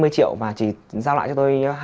năm mươi triệu và chỉ giao lại cho tôi